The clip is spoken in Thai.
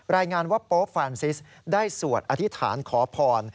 รายงานว่าโป๊ฟฟานซิสได้สวดอธิษฐานขอพร